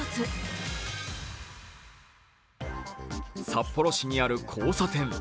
札幌市にある交差点。